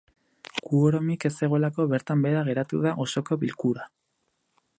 Quorum-ik ez zegoelako bertan behera geratu da osoko bilkura.